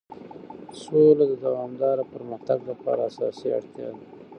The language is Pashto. سوله د دوامدار پرمختګ لپاره اساسي اړتیا ده.